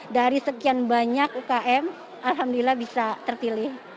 dari sekian banyak umkm alhamdulillah bisa tertilih